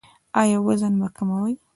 ایا وزن به کموئ؟